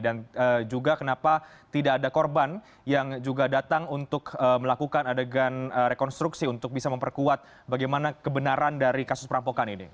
dan juga kenapa tidak ada korban yang juga datang untuk melakukan adegan rekonstruksi untuk bisa memperkuat bagaimana kebenaran dari kasus perampokan ini